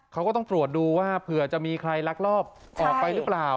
เขาก็ต้องตรวจดูว่าเผื่อจะมีใครลักลอบออกไปหรือเปล่า